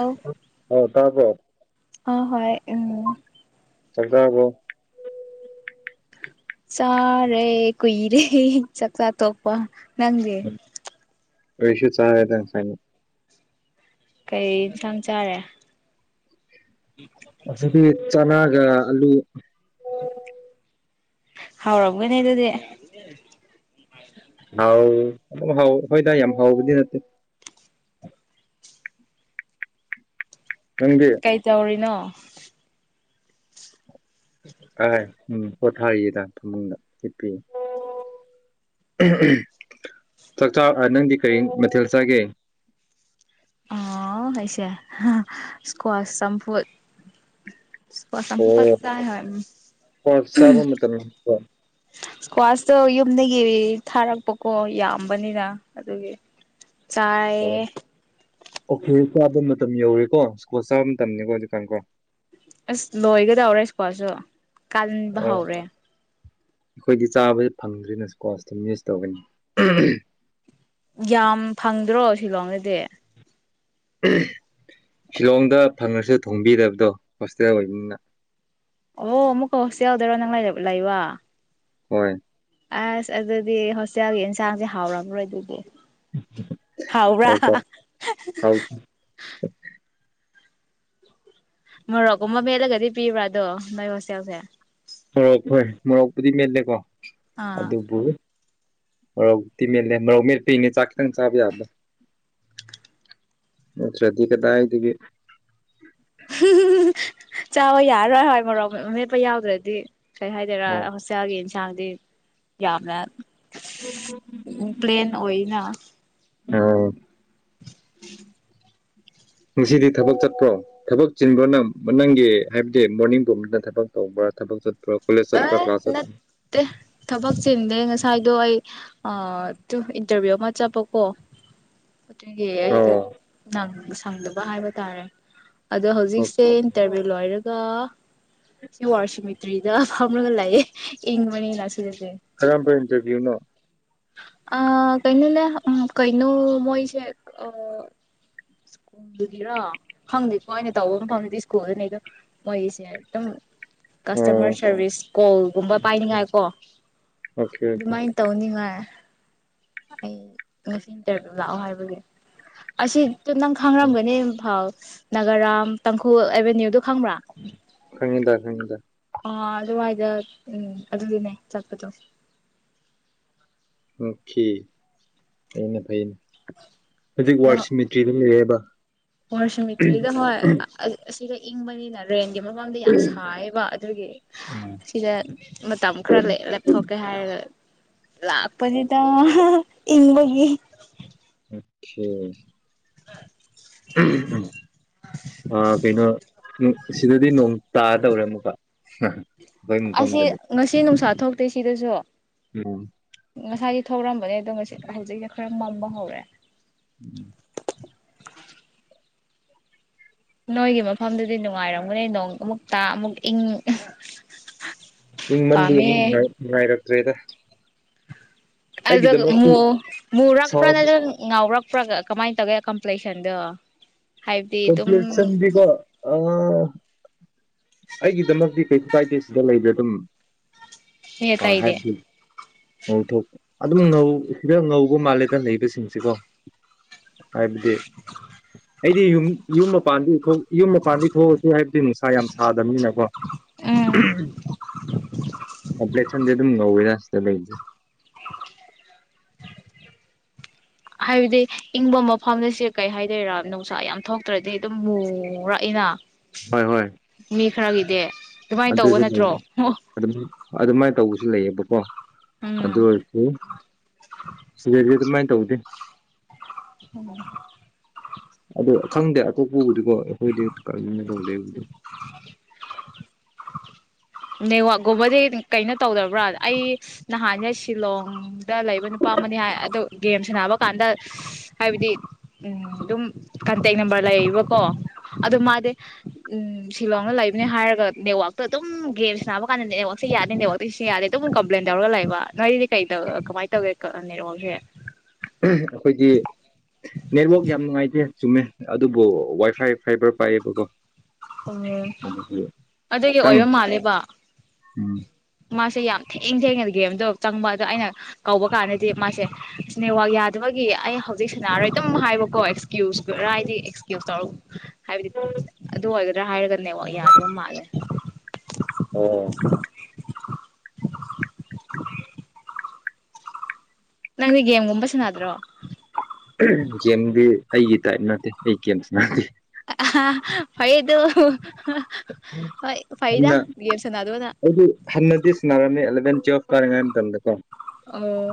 ꯑ ꯑꯣ ꯇꯔꯕꯣ ꯑꯥ ꯍꯣꯏ ꯎꯝ ꯆꯗꯕꯣ ꯆ ꯔꯦ ꯀꯏꯔꯦ ꯆꯠ ꯆ ꯊꯣꯄ ꯅꯪꯦ ꯑꯩꯁꯤ ꯆꯥꯦꯗ ꯁ ꯀꯩ ꯏꯟꯊꯥꯡ ꯆꯥꯔꯦ ꯁ ꯐ ꯆꯅꯥꯒ ꯑꯂꯨ ꯍꯧꯔꯕꯒꯅꯦꯗꯗꯤ ꯍꯥꯎ ꯑꯗꯨꯝ ꯍꯥꯎ ꯍꯣꯏ ꯗꯥꯏ ꯌꯥꯝ ꯍꯥꯎꯕꯗꯤ ꯅꯠꯇꯦ ꯅꯪꯗꯤ ꯀꯩ ꯇꯧꯔꯤꯅꯣ ꯑꯥꯏ ꯎꯝ ꯄꯣꯊꯥꯔꯤꯌꯦꯗ ꯐꯃꯨꯡꯗ ꯆꯠꯄꯤ ꯆꯥꯛꯆꯥ ꯅꯪꯗꯤ ꯀꯔꯤ ꯃꯊꯦꯜ ꯆꯥꯒꯦ [inaudible] ꯑꯣ ꯍꯥꯏꯁꯦ ꯁꯀ꯭ꯋꯥꯁ ꯆꯐꯨ ꯄꯁꯪ ꯄ ꯐꯠ ꯑꯣ ꯆꯥꯏ ꯍ ꯀꯣꯔꯁ ꯆꯥꯕ ꯃꯇꯝ ꯑꯣ ꯏꯁꯀ꯭ꯋꯥꯁꯇꯣ ꯌꯨꯝꯗꯒꯤ ꯊꯥꯔꯛꯄꯀꯣ ꯌꯥꯝꯕꯅꯤꯅ ꯑꯗꯨꯒꯤ ꯆꯔꯦ ꯑꯣꯀꯦ ꯆꯥꯕ ꯃꯇꯝ ꯌꯧꯔꯦꯀꯣ ꯁ꯭ꯀꯣꯜ ꯆꯥꯕ ꯃꯇꯝꯅꯤꯀꯣ ꯍꯧꯖꯤꯛꯀꯥꯟ ꯀꯣ ꯑꯁ ꯂꯣꯏꯒꯗꯧꯔꯦ ꯁꯀꯣꯜꯁꯨ ꯀꯟꯕ ꯑꯣ ꯍꯧꯔꯦ ꯑꯩꯈꯣꯏꯗꯤ ꯆꯥꯕꯁ ꯐꯪꯗ꯭ꯔꯤꯅ ꯁꯀꯣꯁꯇꯝ ꯌꯨꯁ ꯇꯧꯒꯅꯤ ꯌꯥꯝ ꯐꯪꯗ꯭ꯔꯣ ꯁꯤꯂꯣꯡꯗꯗꯤ ꯁꯤꯤꯂꯣꯡꯗ ꯐꯪꯉꯁꯨ ꯊꯣꯡꯕꯤꯔꯕꯗꯣ ꯍꯣꯁꯄꯤꯇꯇꯥꯦꯜ ꯑꯣꯏꯕꯅꯤꯅ ꯑꯣ ꯃꯨꯀ ꯍꯧꯁꯤ ꯌꯥꯎꯗꯔꯣ ꯅꯪ ꯂꯩ ꯂꯩ ꯋꯥ ꯍꯣꯏ ꯑꯁ ꯑꯗꯨꯗꯤ ꯍꯣꯁꯇꯦꯜꯒꯤ ꯌꯦꯟꯁꯥꯡꯁꯦ ꯍꯥꯎꯔꯝꯔꯣꯏ ꯑꯗꯨꯗꯤ ꯍꯥꯎ꯭ꯔꯥ ꯍꯥꯎꯇ ꯍꯥꯎ ꯃꯣꯔꯣꯛꯀꯨꯝꯕ ꯃꯦꯠꯂꯒꯗꯤ ꯄꯤꯕ꯭ꯔꯥ ꯑꯗꯣ ꯃꯣꯏ ꯍꯁꯦꯜꯁꯦ ꯃꯣꯔꯣꯛ ꯍꯣꯏ ꯃꯣꯔꯣꯛꯄꯨꯗꯤ ꯃꯦꯜꯂꯦꯀꯣ ꯑꯥ ꯑꯗꯨꯕꯨ ꯔꯧꯛꯇꯤ ꯃꯦꯜꯂꯦ ꯔꯧ ꯃꯦꯜ ꯄꯤꯅꯦ ꯆꯥꯛ ꯈꯤꯇꯪ ꯆꯥꯕ ꯌꯥꯕꯗ ꯑꯣꯁ꯭ꯔꯗꯤ ꯀꯗꯥ ꯍꯥꯏꯗꯨꯒ ꯆꯥꯕ ꯌꯥꯔꯔꯣꯏ ꯍꯣꯏ ꯃꯣꯔꯣꯛ ꯃꯦꯠꯄ ꯌꯥꯎꯗ꯭ꯔꯗꯤ ꯀꯩ ꯍꯥꯏꯗꯣꯏꯔꯥ ꯑꯣ ꯍꯣꯁꯇꯦꯜꯒꯤ ꯆꯥꯡꯗꯤ ꯌꯥꯝꯅ ꯎ ꯄ꯭ꯂꯦꯟ ꯑꯣꯏꯅ ꯑꯥ ꯉꯁꯤꯗꯤ ꯊꯕꯛ ꯆꯠꯄ꯭ꯔꯣ ꯊꯕꯛ ꯆꯤꯟꯕ꯭ꯔꯣꯅ ꯃ ꯅꯪꯒꯤ ꯍꯥꯏꯕꯗꯤ ꯃꯣꯔꯅꯤꯡ ꯇꯣꯅ ꯊꯕꯛ ꯇꯧꯕ ꯣꯔ ꯊꯥꯠ ꯑ ꯅꯠꯇꯦ ꯊꯕꯛ ꯆꯤꯟꯤꯟꯦ ꯉꯁꯥꯏꯗꯣ ꯑꯩ ꯑ ꯑꯗꯨ ꯏꯟꯇꯔꯚꯤꯌꯨ ꯑꯃ ꯆꯠꯄꯀꯣ ꯑꯗꯨꯒꯤ ꯑꯩꯗ ꯑꯣ ꯁꯪꯗꯕ ꯍꯥꯏꯕ ꯇꯥꯔꯦ ꯑꯗꯣ ꯑꯣ ꯍꯧꯖꯤꯛꯁꯦ ꯏꯟꯇꯔꯚꯤꯌꯨ ꯂꯣꯏꯔꯒ ꯁꯤ ꯋꯥꯔ ꯁꯤꯃꯤꯇ꯭ꯔꯤ ꯐꯝꯕꯒ ꯂꯩꯦ ꯏꯪ ꯃꯅꯤ ꯀꯔꯝꯕ ꯏꯟꯇꯔꯚꯤꯌꯨꯅꯣ ꯑ ꯀꯩꯅꯅꯅꯦ ꯀꯥꯏꯅ ꯃꯣꯏꯁ ꯑ ꯁ꯭ꯀꯨꯜꯗꯨꯗꯤꯔꯣ ꯐꯪꯗꯦꯀꯣ ꯑꯩꯅ ꯇꯧꯕ ꯑꯃ ꯐꯪꯗꯗꯤ ꯁ꯭ꯀꯨꯜꯗꯨꯅꯤꯗꯣ ꯃꯣꯏꯁꯦꯇꯝ ꯑꯣ ꯀꯁꯇꯃꯔ ꯁꯥꯔꯚꯤꯁ ꯀꯣꯜꯒꯨꯝꯕ ꯄꯥꯏꯅꯤꯉꯥꯏꯀꯣ ꯑꯣꯀꯦ ꯑꯣꯀꯦ ꯑꯗꯨꯃꯥꯏꯅ ꯇꯧꯅꯤꯉ ꯑꯩ ꯉꯁꯤ ꯏꯟꯇꯔꯚꯤꯌꯨ ꯂꯥꯛꯑꯣ ꯍꯥꯏꯕꯒꯤ ꯑꯁꯤ ꯑꯗꯨꯝ ꯅꯪ ꯈꯥꯡꯔꯝꯒꯅꯤꯐꯥꯎ ꯅꯥꯒꯔꯥꯝ ꯇꯥꯡꯈꯨꯜ ꯑꯦꯚꯦꯅ꯭ꯌꯨꯗ ꯐꯪꯉꯗ ꯐꯪꯉꯗ ꯑꯥ ꯑꯗꯨꯋꯥꯏꯗ ꯎꯝ ꯑꯗꯨꯗꯤꯅꯦ ꯆꯠꯄꯗꯣ ꯑꯣꯀꯦ ꯐꯅꯦ ꯐꯩꯅꯦ ꯍꯧꯖꯤꯛ ꯋꯥꯔꯁ ꯃꯦꯇꯔꯤꯌꯦꯜ ꯂꯩꯔꯦꯕ ꯋꯥꯔꯁ ꯃ ꯏꯠꯂꯤꯗ ꯁꯤꯗ ꯏꯕꯅꯤꯅꯜꯦꯟ ꯃꯃꯥꯡꯗ ꯌꯥꯝ ꯁꯥꯏꯕ ꯑꯗꯨꯒꯤ ꯎꯝ ꯁꯤꯗ ꯃꯇꯝ ꯈꯔ ꯂꯩ ꯂꯦꯞꯊꯣꯛꯀꯦ ꯍꯥꯏꯔꯒ ꯂꯥꯛꯥꯛꯄꯗꯗ ꯏꯅꯤꯡꯕꯒꯤ ꯑꯦ ꯑ ꯑ ꯀꯩꯅꯣ ꯇꯧꯔꯃꯨꯀꯣ ꯑꯁꯤ ꯉꯁꯤ ꯅꯨꯡꯁꯥ ꯊꯣꯛꯇꯦ ꯁꯤꯗꯁꯨ ꯎꯝ ꯊꯧꯔꯝꯕꯅꯦ ꯑꯗꯣ ꯉꯁꯤ ꯍꯧꯖꯤꯛꯁ ꯈꯔ ꯃꯝꯕ ꯍꯧꯔꯦ ꯎꯝ ꯅꯣꯏꯒꯤ ꯃꯐꯝꯗꯨꯗꯤ ꯅꯨꯡꯉꯥꯏꯔꯝꯒꯅꯤ ꯅꯣꯡ ꯑꯃꯨꯛꯇ ꯑꯃꯨꯛ ꯏꯪ ꯃꯤ ꯃꯟꯗꯤ ꯄꯥꯝꯃꯦ ꯑꯃꯨꯛ ꯅꯨꯡꯉꯥꯏꯔꯛꯇ꯭ꯔꯦꯗ ꯑꯗꯨꯜꯒ ꯑꯩꯒꯤꯗꯃꯛꯇꯤ ꯃ ꯃꯔꯄ꯭ꯔ ꯁꯥꯎꯟ ꯅꯎꯄ ꯄꯨ ꯀꯃꯥꯏꯅ ꯇꯧꯒꯦ ꯀꯝꯄ꯭ꯂꯦꯁꯟꯗꯣ ꯀꯝꯄꯂꯤꯁꯟꯗꯤ ꯀꯣ ꯑ ꯑꯩꯒꯤꯗꯃꯛꯇꯤ ꯀꯩ ꯐꯥꯏꯗꯦ ꯁꯤꯗ ꯂꯩꯕ꯭ꯔꯦ ꯑꯗꯨꯝ ꯍꯦ ꯇ ꯑꯥ ꯏꯗꯦ ꯍꯥꯏꯕꯗꯤ ꯉꯧꯊꯣꯛ ꯑꯗꯨꯝ ꯉꯧ ꯁꯤꯗ ꯉꯧꯕ ꯃꯥꯜꯂꯦꯗ ꯂꯩꯕꯁꯤꯡꯁꯤꯀꯣ ꯍꯥꯏꯕꯗꯤ ꯑꯩꯗꯤ ꯌꯨꯝ ꯌꯨꯝ ꯃꯄꯥꯟꯗꯤ ꯌꯨꯝ ꯃꯄꯥꯟꯗꯤ ꯊꯣꯛꯑꯁꯤ ꯍꯥꯏꯕꯗꯤ ꯅꯨꯡꯁꯥ ꯌꯥꯝ ꯁꯥꯗꯕꯅꯤꯅꯀꯣ ꯎꯝ ꯀꯄꯂꯦ ꯁꯖꯦ ꯑꯗꯨ ꯉ ꯑꯣꯏꯣꯏꯗꯥꯁꯇ ꯂꯩꯖꯦ ꯍꯥꯏꯕꯗꯤ ꯏꯪꯕ ꯃꯐꯝꯗꯁꯦ ꯀꯩ ꯍꯥꯏꯗꯣꯏꯔꯥ ꯅꯨꯡꯁꯥ ꯌꯥꯝ ꯊꯣꯛꯇ꯭ꯔꯗꯤ ꯑꯗꯨꯝ ꯃꯨꯔꯛꯏꯅ ꯍꯣꯏ ꯍꯣꯏ ꯃꯤ ꯈꯔꯒꯤꯗꯤ ꯑꯗꯨꯃꯥꯏꯅ ꯇꯧꯕ ꯑꯗꯨꯁꯨ ꯅꯠꯇ꯭ꯔꯣ ꯑꯣ ꯑꯗꯨꯃꯥꯏꯅ ꯇꯧꯕ ꯁꯨ ꯂꯩꯌꯦꯕꯀꯣ ꯑꯗꯨ ꯎꯝ ꯑꯣꯏꯔꯁꯨ ꯁꯤꯗꯗꯤ ꯑꯗꯨꯃꯥꯏꯅ ꯇꯧꯗꯦ ꯑꯣ ꯑꯗꯣ ꯈꯪꯗꯦ ꯑꯀꯣꯛꯄꯕꯨꯗꯤꯀꯣ ꯑꯩꯈꯣꯏꯗꯤ ꯀꯅ ꯇꯧꯗꯦꯕꯨꯗꯤ ꯅꯦꯋꯥꯒꯨꯝꯕꯗꯤ ꯀꯩꯅꯣ ꯇꯧꯗꯕ꯭ꯔꯥ ꯑꯩ ꯅꯍꯥꯟꯅꯦ ꯁꯤꯂꯣꯡꯗ ꯂꯩꯕ ꯅꯨꯄꯥ ꯑꯗꯨ ꯒꯦꯝ ꯁꯅꯕ ꯀꯥꯟꯗ ꯍꯥꯏꯕꯗꯤ ꯎ ꯑꯗꯨꯝ ꯀꯟꯇꯦꯛ ꯅꯝꯕꯔ ꯂꯩ ꯂꯩꯕꯀꯣ ꯑꯗꯨ ꯃꯥꯗꯤ ꯎꯝ ꯁꯤꯂꯣꯡꯅ ꯂꯩꯕꯅꯤ ꯍꯥꯏꯔꯒ ꯅꯦꯠꯋꯥꯛꯇ ꯑꯗꯨꯝ ꯒꯦꯝꯁ ꯁꯥꯅꯥꯕ ꯀꯥꯟꯗꯅꯦ ꯅꯅꯦꯉꯣꯛꯁꯤ ꯌꯥꯗꯦ ꯅꯅꯦꯕꯛꯇ ꯁꯤꯁꯨ ꯌꯥꯗꯦ ꯑꯗꯨꯝ ꯀꯝꯄ꯭ꯂꯦꯟ ꯇꯔꯒ ꯂꯩꯕ ꯅꯣꯏꯗꯤ ꯀꯩꯧ ꯀꯃꯥꯏꯅ ꯇꯧꯒꯦ ꯅꯤꯔꯣꯁꯦ ꯑꯩꯈꯣꯏꯒꯤ ꯅꯦꯠꯋꯛ ꯌꯥꯝ ꯅꯨꯡꯉꯥꯏꯇꯦ ꯆꯨꯝꯃꯦ ꯑꯗꯨꯕꯨ ꯋꯥꯏ ꯐꯥꯏ ꯐꯥꯏꯕꯔ ꯄꯥꯏꯌꯦꯕꯀꯣ ꯑꯣ ꯑꯗꯨꯗꯒꯤ ꯈꯤꯇꯪ ꯑꯣꯏꯕ ꯃꯥꯜꯂꯦꯕ ꯎꯝ ꯃꯥꯁꯦ ꯌꯥꯝ ꯊꯦꯡ ꯊꯦꯡꯅ ꯒꯦꯝꯗꯣ ꯆꯪꯕ ꯑꯗꯣ ꯑꯩꯅ ꯀꯧꯕ ꯀꯥꯟꯗꯗꯤ ꯃꯥꯁꯦ ꯏꯁꯅꯦꯋꯥꯛ ꯌꯥꯗꯕꯒꯤ ꯑꯩꯒꯤ ꯑꯩ ꯍꯧꯖꯤꯛ ꯁꯥꯟꯅꯥꯔꯣꯏ ꯑꯗꯨꯝ ꯍꯥꯏꯕꯀꯣ ꯑꯦꯛꯁꯀ꯭ꯌꯨꯁꯔꯗꯤ ꯑꯦꯛꯁꯀ꯭ꯌꯨꯁ ꯇꯧꯔꯛ ꯍꯥꯏꯕꯗꯤ ꯑꯗꯨ ꯑꯣꯏꯒꯗ꯭ꯔꯥ ꯍꯥꯏꯔꯒꯅꯦꯕ ꯌꯥꯗꯕ ꯃꯥꯜꯂꯦ ꯑꯣ [unintelligible] ꯅꯪꯗꯤꯒꯦꯦꯝꯒꯨꯝꯕ ꯆꯅꯗꯣ ꯒꯦꯝꯗꯤ ꯑꯩꯒꯤ ꯇꯥꯏꯞ ꯅꯠꯇꯦ ꯑꯩ ꯒꯦꯝꯁ ꯗꯦ ꯑ ꯍꯗꯨ ꯍꯟꯅ ꯒꯦꯝ ꯁꯥꯟꯅꯗꯕꯅ ꯑꯩ ꯍꯟꯅꯗꯤ ꯁꯟꯅꯔꯝꯃꯦ ꯑꯦꯂꯚꯦꯟ ꯔꯥꯏ ꯇꯦꯣ ꯑ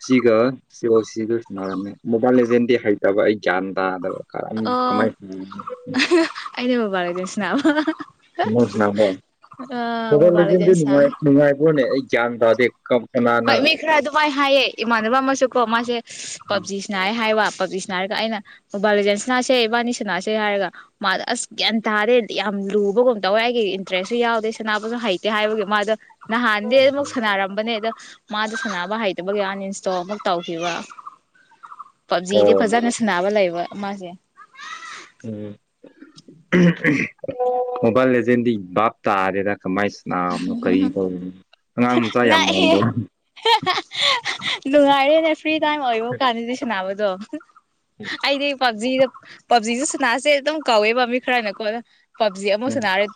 ꯁꯤꯒ ꯁꯤ ꯑꯣ ꯁꯤꯒ ꯁꯅꯔꯝꯃꯦ ꯃꯣꯕꯥꯏꯜ ꯂꯦꯖꯦꯟꯗꯤ ꯍꯩꯇꯕ ꯑꯩ ꯒ꯭ꯌꯥꯟ ꯇꯥꯗꯕ ꯑꯣ ꯀꯃꯥꯏ ꯑꯅꯦꯕꯕꯥꯔꯗꯁꯤꯅꯥ ꯁꯃꯣ ꯊ ꯃꯣꯕꯥꯏꯜ ꯂꯤꯖꯦꯟ ꯁꯥꯟꯅꯩ ꯂꯩꯗꯤꯅꯨꯡꯉꯥꯏ ꯅꯨꯡꯉꯥꯏꯕꯣꯅꯦ ꯭ꯌꯥꯟ ꯇꯗꯤꯝ ꯍꯣꯏ ꯃꯤ ꯈꯔ ꯑꯗꯨꯃꯥꯏꯅ ꯍꯥꯏꯌꯦ ꯏꯃꯥꯟꯅꯕ ꯑꯃꯁꯨ ꯀꯣ ꯃꯥꯁꯦ ꯄꯞꯖꯤꯁꯤꯅ ꯍꯥꯏ ꯍꯥꯏ ꯋꯥ ꯄꯥꯂꯤꯁꯤꯅ ꯍꯥꯏꯔꯒ ꯑꯩꯅ ꯃꯣꯕꯥꯏꯜ ꯂꯤꯖꯦꯟꯁꯤꯅꯥꯁꯦ ꯏꯕꯥꯅꯤ ꯁꯅꯥꯁꯦ ꯍꯥꯏꯔꯒ ꯃꯥꯣ ꯑꯁ ꯒ꯭ꯌꯥꯟ ꯇꯥꯗꯦ ꯌꯥꯝ ꯂꯨꯕꯒꯨꯝ ꯇꯧꯋꯦ ꯑꯩꯒꯤ ꯏꯟꯇꯔꯦꯁꯁꯨ ꯌꯥꯎꯗꯦ ꯁꯅꯥꯕꯁꯨ ꯍꯩꯇꯦ ꯍꯥꯏꯕꯒꯤ ꯃꯥꯣ ꯅꯍꯥꯟꯗꯤ ꯑꯗꯨꯝꯃꯛ ꯁꯥꯟꯅꯔꯝꯕꯅꯦ ꯑꯗꯣ ꯃꯥꯗ ꯁꯥꯟꯅꯕ ꯍꯩꯇꯕꯒꯤ ꯑꯥꯅꯤꯟꯁꯇꯣ ꯑꯃꯨꯛ ꯇꯧꯈꯤꯕ ꯑꯣ ꯄꯞꯖꯤꯗꯤ ꯐꯖꯅ ꯁꯅꯕ ꯂꯩꯕ ꯃꯥꯁꯦ ꯎꯝ ꯃꯣꯕꯥꯏꯜ ꯂꯖꯦꯟꯗꯤ ꯞ ꯇꯥꯔꯦꯗ ꯀꯃꯥꯏꯅ ꯁꯅꯥꯕꯅꯣ ꯀꯔꯤ ꯇꯧꯅꯣ ꯑꯉꯥꯡ ꯃꯆꯥ ꯌꯥꯝ ꯃꯟꯥꯟꯕꯣ ꯂꯅꯨꯡꯉꯥꯏꯔꯤꯅꯦ ꯐ꯭ꯔꯤ ꯇꯥꯏꯝ ꯑꯣꯏꯕ ꯀꯥꯟꯗꯨꯁꯤꯅꯅꯥꯕꯗꯣ ꯑꯩꯗꯤ ꯄꯕꯖꯤꯗ ꯄꯞꯖꯤꯗ ꯁꯅꯥꯁꯦ ꯑꯗꯨꯝ ꯀꯧꯋꯦ ꯄꯥꯝꯃꯤ ꯈꯔꯅꯀꯣꯅ ꯄꯞꯖꯤ ꯑꯃꯨ ꯁꯅꯔꯦ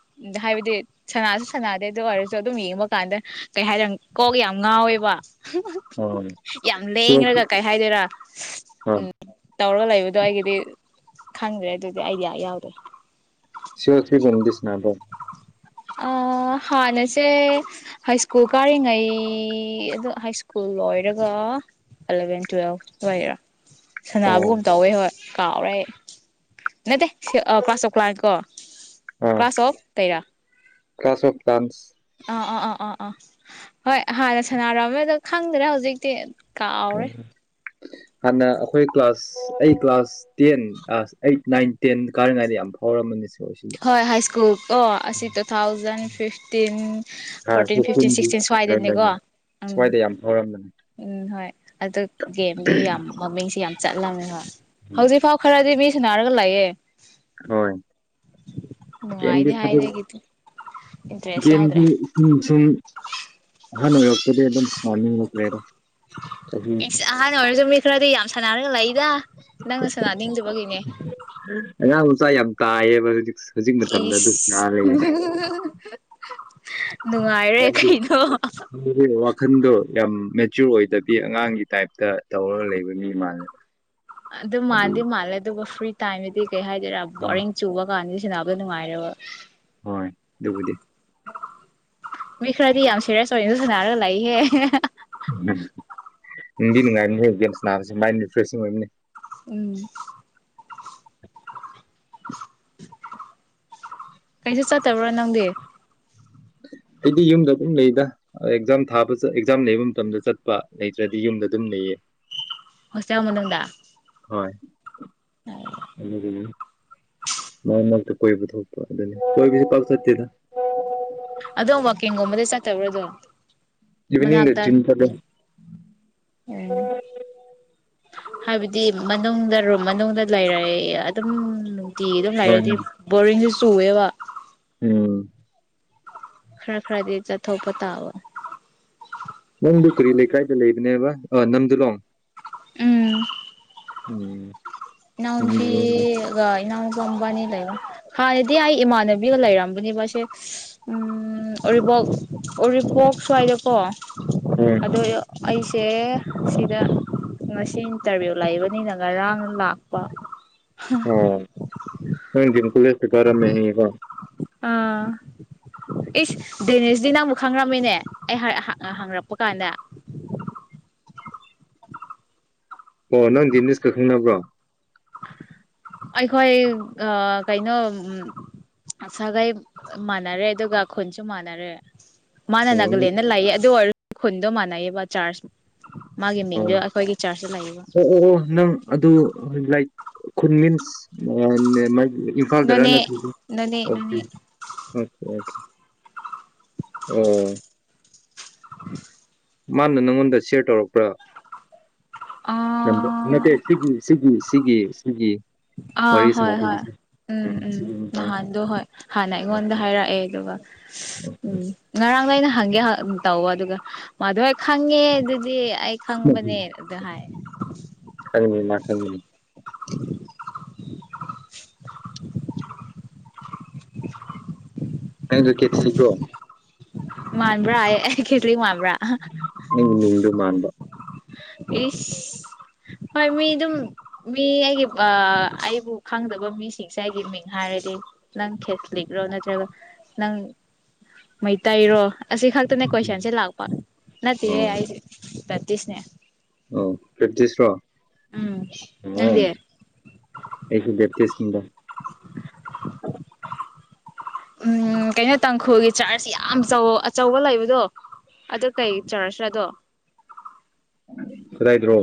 ꯍꯥꯏꯕꯗꯤ ꯁ ꯁꯥꯟꯅꯗꯦ ꯑꯗꯨ ꯑꯣꯏꯔꯁꯨ ꯑꯗꯨꯝ ꯌꯦꯡꯕ ꯀꯥꯟꯗ ꯀꯩ ꯍꯥꯏꯔ ꯀꯣꯛꯒ ꯌꯥꯝ ꯉꯥꯎꯋꯦꯕ ꯑꯣ ꯌꯥꯝ ꯂꯦꯡꯉꯒ ꯀꯩ ꯍꯥꯏꯗꯣꯏꯔꯥ ꯎꯝ ꯇꯧꯔꯒ ꯂꯩꯕꯗꯣ ꯑꯩꯒꯤꯗꯤ ꯈꯪꯗ꯭ꯔꯦ ꯑꯗꯨꯗꯤ ꯑꯥꯏꯗꯤꯌꯥ ꯌꯥꯎꯗ꯭ꯔꯦ ꯁꯤꯔ ꯁꯤꯕꯗꯤꯁꯅꯕꯣ ꯍꯥꯟꯅꯁꯦ ꯍꯥꯏ ꯁ꯭ꯀꯨꯜ ꯀꯥꯔꯤꯉꯩ ꯑ ꯍꯥꯏ ꯁ꯭ꯀꯨꯜ ꯂꯣꯏꯔ ꯏꯂꯚꯦꯟ ꯇ꯭ꯋꯦꯜ ꯋꯥꯦꯔꯥ ꯑꯣ ꯁꯅꯥꯕꯨꯒꯨꯝ ꯇꯧꯋꯦ ꯍꯣꯏ ꯀꯥꯎꯔꯦ ꯅꯠꯇꯦ ꯀ꯭ꯂꯥꯁ ꯆꯂꯅꯤ ꯀꯣ ꯑꯥ ꯀ꯭ꯂꯥꯁ ꯑꯣꯐ ꯇꯔꯥ ꯀ꯭ꯂꯥꯁ ꯑꯣꯐ ꯥꯟꯁ ꯑꯥ ꯑ ꯑ ꯑꯥ ꯑꯥ ꯍꯣꯏ ꯍꯥꯟꯅ ꯁꯅꯔꯝꯃꯦꯗꯣ ꯈꯪꯗ꯭ꯔꯦ ꯍꯧꯖꯤꯛꯇꯤ ꯀꯥꯎꯥꯎꯔꯦ ꯍꯥꯟꯅ ꯑꯩꯈꯣꯏ ꯀ꯭ꯂꯥꯁ ꯑꯩ class ten eight nine ten ꯀꯥꯔꯤꯉꯥꯏꯗ ꯌꯥꯝꯕ ꯍꯔ ꯃꯅꯤ ꯍꯣꯏ ꯍꯥꯏ ꯁ꯭ꯀꯨꯜ ꯑꯣ ꯑꯁꯤ two thousand fifteen fourteen fifteen sixteen ꯁ ꯐꯥꯏꯗꯅꯦꯦꯀꯣ ꯁꯨꯃꯥꯏꯗ ꯌꯥꯝ ꯎꯝ ꯍꯣꯏ ꯑꯗꯨ ꯒꯦꯝꯗꯤ ꯌꯥꯝ ꯃꯃꯤꯡꯁꯤ ꯌꯥꯝ ꯆꯠꯂꯝꯃꯦ ꯍꯣꯏ ꯍꯧꯖꯤꯛ ꯐꯥꯎ ꯈꯔꯗꯤ ꯃꯤ ꯤꯟꯅꯥꯒ ꯂꯑꯦ ꯍꯣꯏ ꯎ ꯒꯦꯝꯗꯤ ꯍꯥꯏꯥꯏꯗꯦ ꯍꯥꯏꯗꯦ ꯍꯥꯏꯒꯤꯇꯦ ꯁꯨꯝ ꯍꯅ ꯌꯛꯇꯗꯤ ꯃꯅꯤꯡ ꯂꯩꯦꯔ ꯑꯍꯥꯟꯕ ꯑꯣꯏꯔꯁꯨ ꯃꯤ ꯈꯔꯗꯤ ꯌꯥꯝ ꯁꯥꯟꯅꯔꯒ ꯂꯩꯏꯗ ꯅꯪꯁꯅ ꯅꯤꯡꯗꯨꯕꯒꯤꯅꯦ ꯑꯉꯥꯡ ꯃꯆꯥ ꯌꯥꯝ ꯀꯥꯏꯌꯦꯕ ꯍꯧꯖꯤꯛ ꯍꯧꯖꯤꯛ ꯃꯇꯝꯗ ꯑꯗꯨ ꯏꯁ ꯂꯩꯔꯤ ꯅꯨꯡꯉꯥꯏꯔꯦ ꯀꯩꯅꯣ ꯗꯤ ꯋꯥꯈꯟꯗ ꯌꯥꯝ ꯃꯦꯆꯨꯔ ꯑꯣꯏꯗꯕꯤ ꯑꯉꯥꯡꯒꯤ ꯇꯥꯏꯞꯇ ꯇꯧꯔꯒ ꯂꯩꯕ ꯃꯤ ꯃꯥꯜꯂꯦꯕ ꯑꯗꯨ ꯃꯥꯟꯗꯤ ꯃꯥꯜꯂꯦ ꯑꯗꯨꯒ ꯐ꯭ꯔꯤ ꯇꯥꯏꯝꯗꯤ ꯀꯩ ꯍꯥꯏꯗꯣꯏꯔꯥ ꯍꯣꯏ ꯕꯣꯔꯤꯡ ꯆꯨꯕ ꯀꯥꯟꯗ ꯁꯤꯗꯅꯥꯏꯔꯣ ꯍꯣꯏ ꯑꯗꯨꯕꯨꯗꯤ ꯃꯤ ꯈꯔꯗꯤ ꯌꯥꯝ ꯁꯔꯁ ꯑꯣꯏ ꯑꯗꯨ ꯁꯅꯥꯔꯒ ꯂꯥꯛꯏꯍꯦ ꯎꯝꯝ ꯗꯤ ꯅꯨꯡꯉꯥꯏꯅꯤ ꯍ ꯒꯦꯟꯁ ꯅꯥꯔꯁꯦ ꯃꯥꯏꯟ ꯔꯤꯐ꯭ꯔꯦꯁꯤꯡ ꯑꯣꯏꯕꯅꯤ ꯎꯝ ꯀꯩꯁꯨ ꯆꯠꯇꯕ꯭ꯔꯥ ꯅꯪꯗꯤ ꯎ ꯑꯩꯗꯤ ꯌꯨꯝꯗ ꯑꯗꯨꯝ ꯂꯩꯗ ꯑꯦꯛꯖꯥꯝ ꯊꯥꯕ ꯑꯦꯛꯖꯥꯝ ꯂꯩꯕ ꯃꯇꯝꯗ ꯆꯠꯄ ꯂꯩꯇ꯭ꯔꯗꯤ ꯌꯨꯝꯗ ꯑꯗꯨꯝ ꯂꯩꯌꯦ [inaudible] ꯍꯁ ꯃꯅꯗ ꯍꯣꯏ ꯎꯝ ꯎ ꯃꯃꯜꯇ ꯀꯣꯏꯕꯨ ꯊꯗꯅꯤꯣꯏ ꯀꯁꯤ ꯄ ꯁꯦꯗ ꯑꯗꯣ ꯋꯥꯀꯤꯡꯒꯨꯝꯕꯗ ꯆꯥꯛꯠꯇꯕ꯭ꯔꯥ ꯑꯗꯨꯣ ꯏꯚꯤꯅꯤꯡꯗ ꯃꯅꯥꯛꯇ ꯖꯤꯝ ꯆꯠꯂꯦ ꯎꯝ ꯍꯥꯏꯕꯗꯤ ꯃꯅꯨꯡꯗ ꯔꯣꯝ ꯃꯅꯨꯡꯗ ꯂꯩꯔꯦ ꯑꯗꯨꯝ ꯇꯤ ꯑꯗꯨꯝ ꯍꯣꯏ ꯂꯩꯔꯗꯤ ꯕꯣꯔꯤꯡꯁꯦ ꯆꯨꯑꯦꯕ ꯎꯝ ꯈꯔ ꯈꯔꯗꯤ ꯆ ꯊꯧ ꯄꯇꯥ ꯍꯥꯋꯥ ꯅꯪꯗꯨ ꯀꯔꯤ ꯂꯩꯀꯥꯏꯗ ꯂꯩꯕꯅꯦꯕ ꯑ ꯅꯝꯗꯨꯂꯣꯡ ꯎꯝ ꯎꯝ ꯏ ꯎꯝ ꯍꯣꯏ ꯐꯤꯒ ꯏ ꯅꯤ ꯂꯩ ꯍꯥꯟꯅꯗꯤ ꯑꯩ ꯏꯃꯥꯟꯅꯕꯤꯒ ꯂꯩꯔꯝꯕꯅꯦꯕꯁꯦ ꯎꯝ ꯑꯣ ꯎꯔꯤꯄꯣꯛ ꯁ꯭ꯋꯥꯏꯗꯀꯣ ꯑꯗꯣ ꯑꯩꯁꯦ ꯁꯤꯗ ꯉꯁꯤ ꯏꯟꯇꯔꯚꯤꯌꯨ ꯂꯩꯕꯅꯤꯅ ꯉꯔꯥꯡ ꯂꯥꯛ ꯇ ꯑ ꯅ ꯤꯟꯀ ꯂꯩ ꯁꯀꯥꯔꯥ ꯃꯕ ꯑꯥ ꯑꯩꯁ ꯗꯦꯅꯦꯔꯁ ꯗ ꯅꯪ ꯑꯃꯨꯛ ꯈꯪꯔꯝꯃꯤꯅꯦ ꯑꯩ ꯍꯪꯉꯛꯄ ꯀꯥꯟꯗ [unintelligible] ꯑꯣ ꯅꯪ ꯖꯤꯅꯤꯁꯀ ꯈꯪꯅꯕ꯭ꯔꯣ ꯑꯩꯈꯣꯏ ꯑ ꯀꯩꯅꯣ ꯁꯥꯒꯥꯏ ꯃꯥꯟꯅꯔꯦ ꯑꯗꯨꯒ ꯈꯨꯟꯁꯨ ꯃꯥꯟꯅꯔꯦ ꯃꯥꯅ ꯑꯣ ꯅꯪ ꯅꯥꯒꯂꯦꯟꯗ ꯂꯩꯌꯦ ꯑꯗꯨ ꯑꯣꯏꯔꯁꯨ ꯈꯨꯟꯗꯣ ꯃꯥꯟꯅꯩꯑꯕ ꯆꯥꯔꯖ ꯃꯥꯒꯤ ꯑꯣ ꯃꯤꯡꯗꯣ ꯑꯩꯈꯣꯏꯒꯤ ꯆꯥꯔꯖꯇ ꯂꯩꯌꯦꯕ ꯑꯣ ꯑꯣ ꯑꯣ ꯅꯪ ꯑꯗꯨ ꯂꯥꯏꯛ ꯈꯨꯟꯃꯤꯟꯁ ꯏꯝꯐꯥꯜꯗꯔ ꯅꯣꯅꯦ ꯅꯠꯇ꯭ꯔꯒ ꯅꯣꯅꯦ ꯑꯣꯀꯦ ꯅꯣꯅꯦ ꯑꯣꯀꯦ ꯑꯣꯀꯦ ꯎꯝ [unintelligible] ꯃꯥꯅ ꯅꯪꯉꯣꯟꯗ ꯁꯤꯌꯔ ꯇꯧꯔꯛꯄ꯭ꯔꯥ ꯃꯦ ꯑꯥ ꯁꯤ ꯁꯤꯒ ꯁꯤꯒꯤ ꯁꯤꯒ ꯑꯥ ꯋꯥꯔꯤ ꯍꯣꯏ ꯁꯃꯁꯦ ꯍꯣꯏ ꯎꯝ ꯎꯝ ꯅꯍꯥꯟꯗꯣ ꯍꯣꯏ ꯍꯥꯟꯅ ꯑꯩꯉꯣꯟꯗ ꯍꯥꯏꯔꯛꯑꯦ ꯑꯗꯨꯒ ꯎꯝ ꯉꯔꯥꯡꯗꯒꯤ ꯅꯍꯥꯟ ꯈꯪꯒꯦ ꯇꯧꯕ ꯑꯗꯨꯒ ꯃꯥꯗꯨ ꯍꯣꯏ ꯈꯪꯉꯦ ꯑꯗꯨꯗꯤ ꯑꯩ ꯈꯪꯕꯅꯦ ꯑꯗꯨ ꯍꯥꯏ ꯎꯝ [unintelligible] ꯀꯁꯨ ꯀꯦꯠ ꯊꯀ꯭ꯔꯣ ꯃꯥꯟꯕꯕ꯭ꯔꯑꯌꯦ ꯈꯦꯇꯔꯤ ꯃꯥꯟꯕꯕ꯭ꯔ ꯍꯗꯨ ꯃꯥꯥꯟꯕꯥꯟꯕ ꯑꯦ ꯍꯣꯏ ꯃꯤ ꯑꯗꯨꯝ ꯃꯤ ꯑꯩꯒꯤ ꯑꯩꯕꯨ ꯈꯪꯗꯕ ꯃꯤꯁꯤꯡꯁꯦ ꯑꯩꯒꯤ ꯃꯤꯡ ꯍꯥꯏꯔꯗꯤ ꯅꯪ ꯈꯦꯁꯂꯤꯛꯔꯣ ꯅꯠꯇ꯭ꯔꯒ ꯅꯪ ꯃꯩꯇꯩꯔꯣ ꯑꯁꯤ ꯈꯛꯇꯅꯦ ꯀꯣꯏꯁꯟꯁꯦ ꯂꯥꯛꯄ ꯅꯠꯇꯦꯍꯦ ꯑꯣ ꯑꯩꯁꯦ ꯄ꯭ꯔꯦꯛꯇꯤꯁꯅꯦ ꯑꯣ ꯭ꯔꯦꯞꯇꯤꯁ꯭ꯔꯣ ꯎꯝ ꯎ ꯅꯪꯗꯤ ꯑꯩꯁꯨ ꯭ꯔꯦꯞꯇꯤꯁ ꯗ ꯎꯝ ꯀꯩꯅ ꯇꯪꯛ ꯍꯣꯦ ꯆꯥꯔꯖ ꯌꯥꯝ ꯑꯆꯧꯕ ꯂꯩꯕꯗꯣ ꯑꯗꯨ ꯀꯩ ꯆꯥꯔꯖꯗꯣ ꯀꯗꯥꯏꯗ꯭ꯔꯣ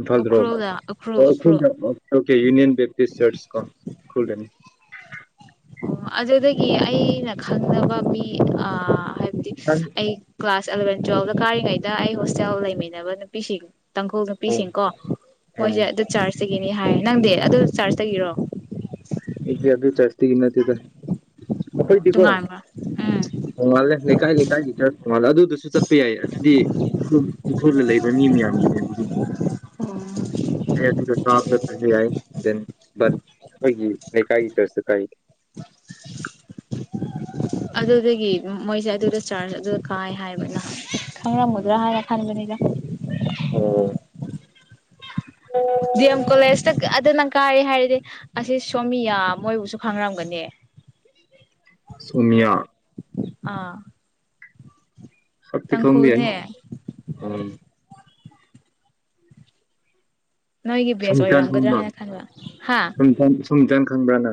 ꯏꯝꯐꯥꯜꯗ꯭ꯔꯣ ꯎꯈ꯭ꯔꯨꯜꯗ ꯎꯈ꯭ꯔꯨꯜ ꯑꯣ ꯎꯈ꯭ꯔꯨꯜ ꯑꯣꯀꯦ ꯌꯨꯅꯤꯌꯟ ꯦꯞꯇꯤꯁ ꯆꯔꯆ ꯀ ꯈꯅꯤ ꯑꯣ ꯑꯗꯨꯗꯒꯤ ꯑꯩꯅ ꯈꯪꯕ ꯃꯤ ꯑ ꯍꯥꯏꯕꯗꯤ ꯑꯩ ꯀ꯭ꯂꯥꯁ ꯑꯦꯂꯚꯦꯟ ꯇꯨꯋꯦꯜꯕꯇ ꯀꯥꯔꯤꯉꯩꯗ ꯑꯩ ꯍꯣꯁꯇꯦꯜ ꯂꯩꯃꯤꯟꯅꯕ ꯅꯨꯄꯤꯁꯤꯡ ꯇꯥꯡꯈꯣꯜ ꯑꯣ ꯅꯨꯄꯤꯁꯤꯡꯀꯣ ꯑꯣ ꯃꯣꯏꯁꯦ ꯑꯗꯨ ꯆꯥꯔꯖꯇꯒꯤꯅꯤ ꯍꯥꯏꯌꯦ ꯅꯪꯗꯤ ꯑꯗꯨ ꯆꯥꯔꯖ ꯇꯒꯤꯔꯣ ꯗ ꯑꯩꯈꯣꯏꯗꯤꯀꯣ ꯇꯣꯉꯥꯟꯕ꯭ꯔꯥ ꯎꯝ ꯊꯣꯡꯉꯥꯜꯂꯦ ꯂꯩꯀꯥꯏ ꯂꯩꯀꯥꯏꯒꯤ ꯈꯔ ꯊꯣꯡꯉꯥꯜꯂꯦ ꯑꯗꯨꯗꯨꯁꯨ ꯆꯠꯄ ꯌꯥꯏ ꯑꯗꯨꯗꯤ ꯎꯈꯨꯜꯗ ꯂꯩꯕ ꯃꯤ ꯃꯌꯥꯝ ꯎ ꯑꯣ [unintelligible] ꯑꯩ ꯅ ꯀꯒꯤ ꯀꯁꯨ ꯀꯥꯏ ꯑꯗꯨꯗꯒꯤ ꯃꯣꯏꯁꯦ ꯑꯗꯨꯗ ꯆꯥꯔꯖ ꯑꯗꯨꯗ ꯀꯥꯏ ꯍꯥꯏꯕꯅ ꯎꯝ ꯈꯪꯔꯝꯒꯨꯗ꯭ꯔꯥ ꯍꯥꯏꯅ ꯈꯟꯕꯅꯤꯗ ꯑꯣ ꯑꯗꯨꯅꯪ ꯀꯥꯏꯔꯤ ꯍꯥꯏꯔꯗꯤ ꯑꯁꯤ ꯁꯣꯃꯤꯌꯥ ꯃꯣꯏꯕꯨꯁꯨ ꯈꯪꯔꯝꯒꯅꯤ ꯁꯨꯃꯌꯥ ꯑꯥ ꯁꯤ ꯈꯝꯕꯤꯅꯤ ꯇꯥꯡꯈꯨꯜꯅꯦ ꯑ ꯅꯣꯏꯒꯤ ꯕꯦꯁ ꯁꯨꯡꯇꯥꯟ ꯑꯣꯏꯔꯝꯒꯗ꯭ꯔꯥ ꯈꯪꯕ꯭ꯔ ꯍꯥꯏꯅ ꯈꯟꯕ ꯍꯥ ꯁ ꯁꯨꯡꯇꯥꯟ ꯈꯪꯕ꯭ꯔ ꯅ